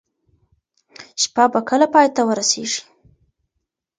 شپه به کله پای ته ورسیږي؟